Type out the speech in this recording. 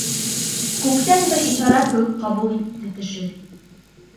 Күктән бер ишара кеүек ҡабул итте төшөн.